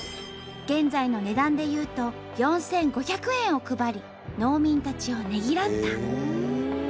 現在の値段でいうと４，５００円を配り農民たちをねぎらった。